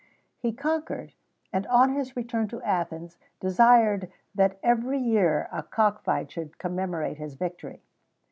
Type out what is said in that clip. He conquered, and on his return to Athens, desired that every year a cock fight should commemorate his victory.